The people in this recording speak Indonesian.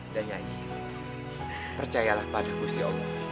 dan yaying percayalah pada gusti allah